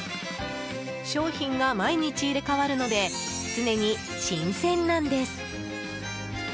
商品が毎日入れ替わるので常に新鮮なんです。